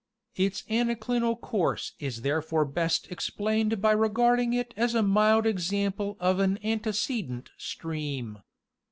Its anaclinal course is therefore best explained by regarding it as a mild example of an antecedent stream.